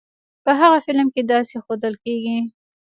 په هغه فلم کې داسې ښودل کېږی.